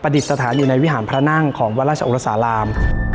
ดิษฐานอยู่ในวิหารพระนั่งของวัดราชโอรสาราม